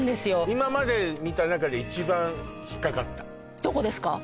今まで見た中で一番引っかかったどこですか？